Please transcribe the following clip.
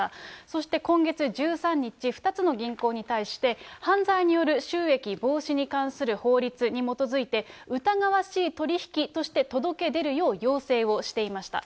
そして今月１３日、２つの銀行に対して、犯罪による収益防止に関する法律に基づいて、疑わしい取り引きとして届け出るよう要請をしていました。